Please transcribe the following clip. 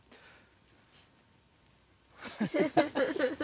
フフフフ！